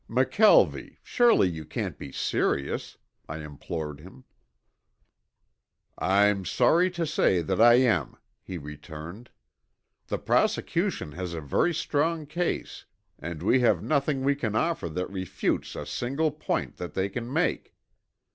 "McKelvie, surely you can't be serious," I implored him. "I'm sorry to say that I am," he returned. "The prosecution has a very strong case, and we have nothing we can offer that refutes a single point that they can make."